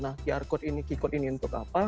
nah qr code ini untuk apa